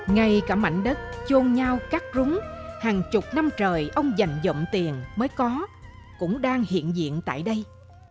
ngay cả mảnh đất chôn nhau cắt rúng hàng chục năm trời ông dành dòng tiền mới có cũng đang hiện diện tại đây